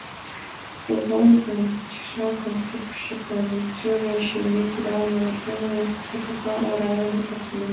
Тулвондым, тӧшакым, кӱпчыкым, тӱрлӧ чийыме-кудашме вургемым курыкла орален оптымо.